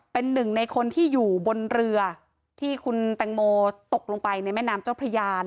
เป็นหนึ่งในคนที่อยู่บนเรือที่คุณแตงโมตกลงไปในแม่น้ำเจ้าพระยาน